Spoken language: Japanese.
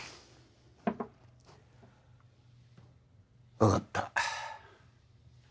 わかった。